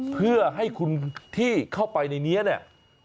เพื่อให้คุณที่เข้าไปในนี้เนี่ย